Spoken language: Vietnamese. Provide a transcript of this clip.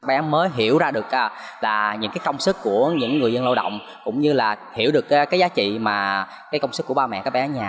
các bé mới hiểu ra được là những cái công sức của những người dân lao động cũng như là hiểu được cái giá trị mà cái công sức của ba mẹ các bé ở nhà